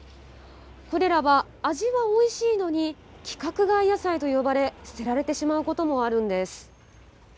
これらは、味はおいしいのに規格外野菜と呼ばれ捨てられてしまうこともあるんです。